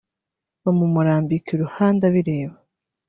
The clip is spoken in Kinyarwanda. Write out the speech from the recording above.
bamumurambika iruhande abireba